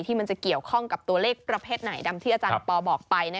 มันจะเกี่ยวข้องกับตัวเลขประเภทไหนดำที่อาจารย์ปอบอกไป